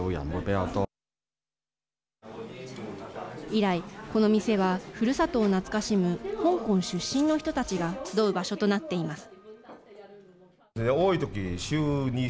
以来、この店はふるさとを懐かしむ香港出身の人たちが集う場所となっています。